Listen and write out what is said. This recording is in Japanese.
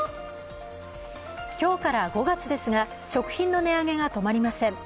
今日から５月ですが、食品の値上げが止まりません。